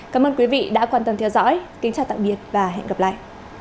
cảm ơn quý vị đã quan tâm theo dõi kính chào tạm biệt và hẹn gặp lại